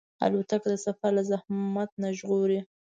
الوتکه د سفر له زحمت نه ژغوري.